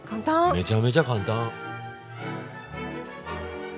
めちゃめちゃ簡単。